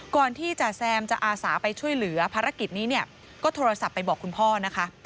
ที่จ่าแซมจะอาสาไปช่วยเหลือภารกิจนี้เนี่ยก็โทรศัพท์ไปบอกคุณพ่อนะคะ